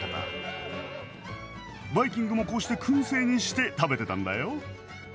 バイキングもこうして燻製にして食べてたんだよ。